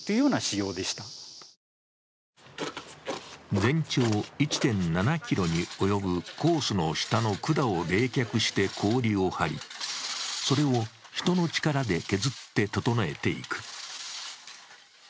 全長１．７キロに及ぶコースの下の管を冷却して氷を張り、それを人の力で削って整えていく。